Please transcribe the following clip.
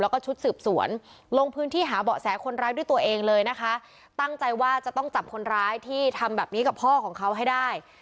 แล้วก็ชุดสืบสวนลงพื้นที่หาเบาะแสคนร้ายด้วยตัวเองเลยนะคะตั้งใจว่าจะต้องจับคนร้ายที่ทำแบบนี้กับพ่อของเขาให้ได้